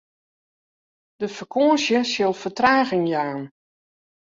De fakânsje sil fertraging jaan.